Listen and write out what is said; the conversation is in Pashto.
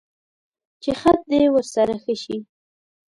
چې خط دې ورسره ښه شي.